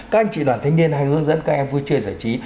các anh chị đoàn thanh niên hay hướng dẫn các em vui chơi giải trí